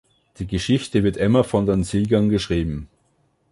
Die Geschichte wird immer von den Siegern geschrieben.